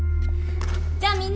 じゃあみんな。